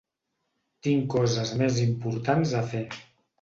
Tinc coses més importants a fer.